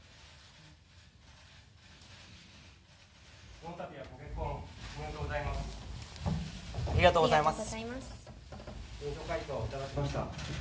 このたびはご結婚おめでとうございます。